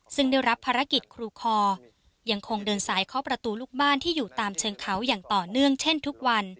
ซึ่งได้รับภารกิจครูคอยังคงเดินสายเคาะประตูลูกบ้านที่อยู่ตามเชิงเขาอย่างต่อเนื่องเช่นทุกวัน